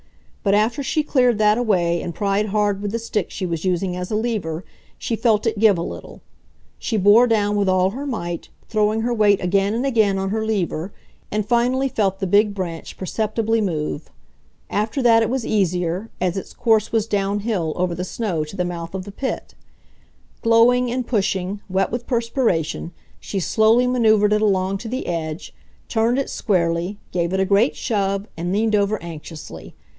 But after she cleared that away and pried hard with the stick she was using as a lever she felt it give a little. She bore down with all her might, throwing her weight again and again on her lever, and finally felt the big branch perceptibly move. After that it was easier, as its course was down hill over the snow to the mouth of the pit. Glowing, and pushing, wet with perspiration, she slowly maneuvered it along to the edge, turned it squarely, gave it a great shove, and leaned over anxiously.